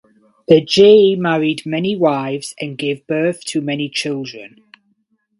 Ajayi married many wives and gave birth to many children.